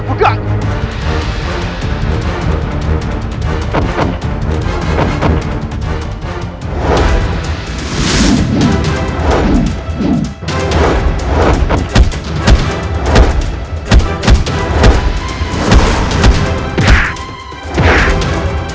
tugas pertamamu adalah menyerang pajajara